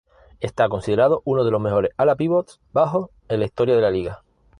Está considerado uno de los mejores ala-pívots bajos en la historia de la liga.